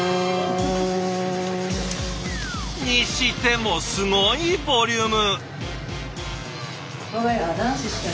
にしてもすごいボリューム。